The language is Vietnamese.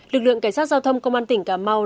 lực lượng cảnh sát giao thông công an tỉnh cà mau